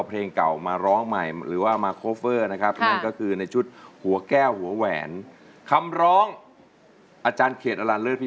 เพลงแรกของเฟิร์สที่ทำสำเร็จก็คือ